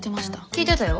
聞いてたよ。